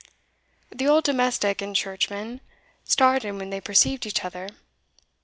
The old domestic and churchman started when they perceived each other.